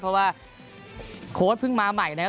เพราะว่าโค้ดเพิ่งมาใหม่นะครับ